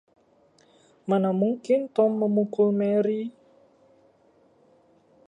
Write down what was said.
Mana mungkin Tom memukul Mary.